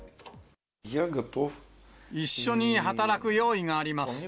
一緒に働く用意があります。